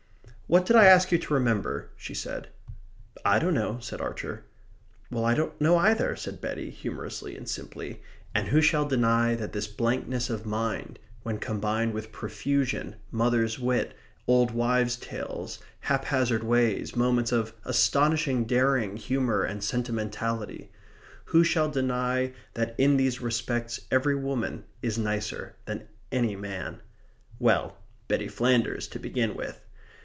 "What did I ask you to remember?" she said. "I don't know," said Archer. "Well, I don't know either," said Betty, humorously and simply, and who shall deny that this blankness of mind, when combined with profusion, mother wit, old wives' tales, haphazard ways, moments of astonishing daring, humour, and sentimentality who shall deny that in these respects every woman is nicer than any man? Well, Betty Flanders, to begin with.